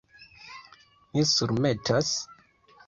Mi surmetas?